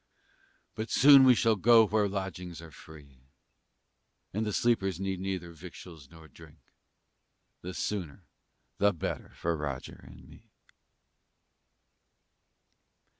But soon we shall go where lodgings are free, And the sleepers need neither victuals nor drink: The sooner, the better for Roger and me!